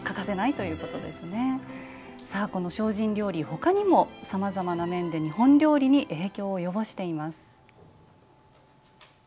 この精進料理他にもさまざまな面で日本料理に影響を及ぼしています。